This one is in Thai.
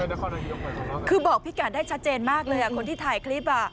คือบอกพี่กัดได้ชัดเจนมากเลยอ่ะคนที่ถ่ายคลิปอ่ะ